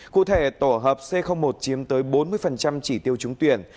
cụ thể tổ hợp c một chiếm tới bốn mươi chỉ tiêu trúng tuyển